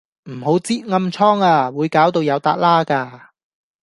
唔好擳暗瘡呀，會搞到有笪瘌架